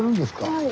はい。